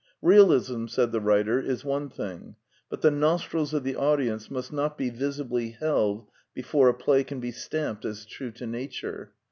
" Realism," said the writer, " is one thing; but the nostrils of the audience must not be visibly held before a play can be stamped as true to nature.